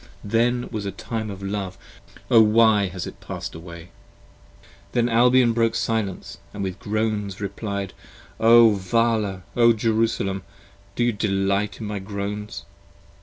Then was a time of love: O why is it passed away! 42 Then Albion broke silence and with groans reply'd. p. 21 O Vala! O Jerusalem! do you delight in my groans!